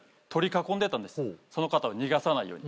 その方を逃がさないように。